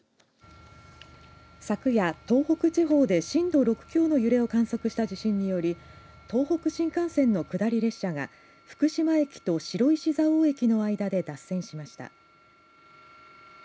昨夜、東北地方で震度６強の揺れを観測した地震により東北新幹線の下り列車が福島駅と白石蔵王駅の間で脱線しました。